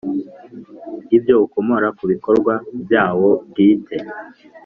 Ibyo ukomora ku bikorwa byawo bwite